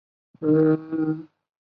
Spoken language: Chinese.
在英国此被称为国际用户拨号。